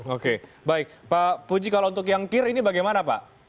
oke baik pak puji kalau untuk yang kir ini bagaimana pak